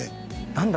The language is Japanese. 何だ？